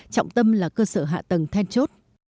trọng tâm là cơ sở hạ tầng then chốt